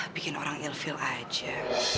bikin orang ill feel aja